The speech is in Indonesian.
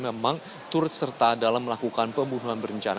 memang turut serta dalam melakukan pembunuhan berencana